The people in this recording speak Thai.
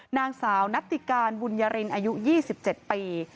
นางสาวนัตติการบุญยรินอายุ๒๗ปี